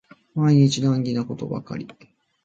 毎日難儀なことばかり